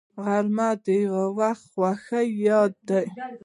غرمه د یووختي خوښۍ یاد ده